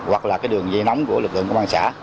hoặc là cái đường dây nóng của lực lượng công an xã